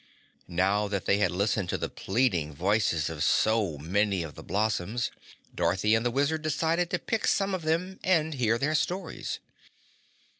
Now that they had listened to the pleading voices of so many of the blossoms, Dorothy and the Wizard decided to pick some of them and hear their stories.